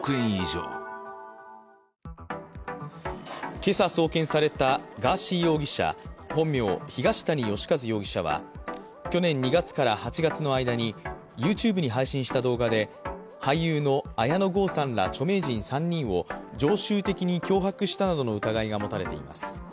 けさ送検されたガーシー容疑者本名・東谷義和容疑者は去年２月から８月の間に、ＹｏｕＴｕｂｅに配信した動画で俳優の綾野剛さんら著名人３人を常習的に脅迫したなどの疑いが持たれています。